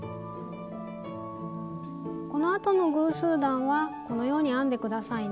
この後の偶数段はこのように編んで下さいね。